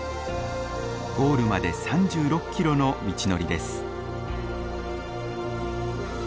ゴールまで３６キロの道のりです。